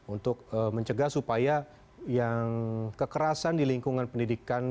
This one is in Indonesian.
untuk mencegah supaya yang kekerasan di lingkungan pendidikan